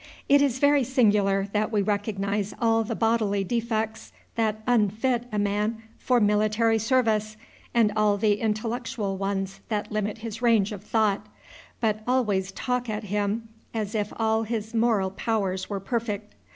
It is very singular that we recognize all the bodily defects that unfit a man for military service, and all the intellectual ones that limit his range of thought, but always talk at him as if all his moral powers were perfect.